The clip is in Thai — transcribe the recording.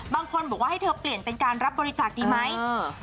บางคนบอกว่าให้เธอเปลี่ยนเป็นการรับบริจาคดีไหม